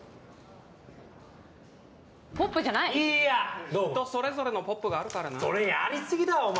ポップじゃないいや人それぞれのポップがあるからな・それやりすぎだろお前